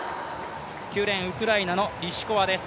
９レーン、ウクライナのリシコワです。